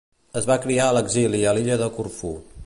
Es va criar a l'exili a l'illa de Corfú.